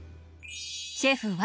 シェフは。